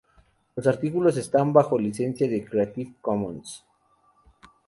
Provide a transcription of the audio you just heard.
Los artículos están bajo una licencia de Creative Commons.